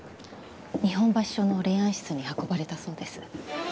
日本橋署の霊安室に運ばれたそうです。